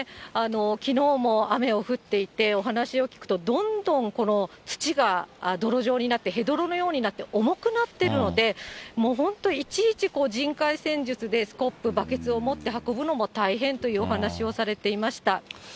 きのうも雨も降っていて、お話を聞くと、どんどん土が泥状になって、ヘドロのようになって重くなっているので、もう本当、いちいち人海戦術でスコップ、バケツを持って運ぶのも大変というお話をされていました。